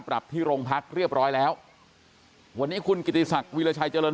ปรับที่โรงพักเรียบร้อยแล้ววันนี้คุณกิติศักดิ์วิราชัยเจริญ